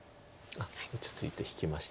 落ち着いて引きました。